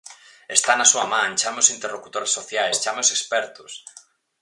Está na súa man, chame os interlocutores sociais, chame os expertos.